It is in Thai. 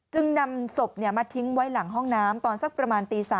จึงนำศพมาทิ้งไว้หลังห้องน้ำตอนสักประมาณตี๓